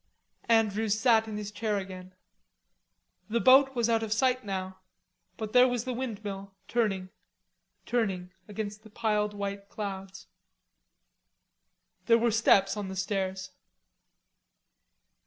Andrews sat in his chair again. The boat was out of sight now, but there was the windmill turning, turning against the piled white clouds. There were steps on the stairs.